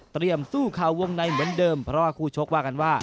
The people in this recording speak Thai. สู้ข่าววงในเหมือนเดิมเพราะว่าคู่ชกว่ากันว่า